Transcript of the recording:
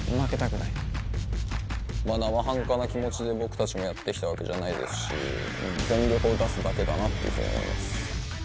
なまはんかな気持ちで僕たちもやってきたわけじゃないですし、全力を出すだけだなって思います。